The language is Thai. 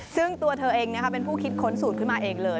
ซึ่งตัวเธอเองเป็นผู้คิดค้นสูตรขึ้นมาเองเลย